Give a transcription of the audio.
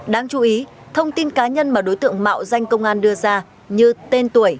đáng chú ý thông tin cá nhân mà đối tượng mạo danh công an đưa ra như tên tuổi